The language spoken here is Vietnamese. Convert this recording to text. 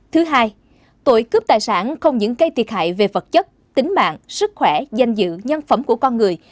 thứ hai tội cướp tài sản không những gây thiệt hại về vật chất tính mạng sức khỏe danh dự nhân phẩm của con người